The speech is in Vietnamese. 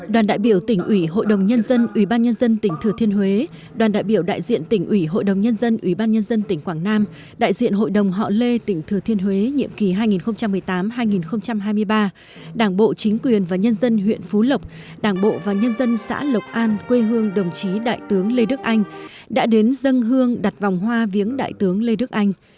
đoàn đại biểu tỉnh ủy hội đồng nhân dân ủy ban nhân dân tỉnh thừa thiên huế đoàn đại biểu đại diện tỉnh ủy hội đồng nhân dân ủy ban nhân dân tỉnh quảng nam đại diện hội đồng họ lê tỉnh thừa thiên huế nhiệm ký hai nghìn một mươi tám hai nghìn hai mươi ba đảng bộ chính quyền và nhân dân huyện phú lộc đảng bộ và nhân dân xã lộc an quê hương đồng chí đại tướng lê đức anh đã đến dân hương đặt vòng hoa viếng đại tướng lê đức anh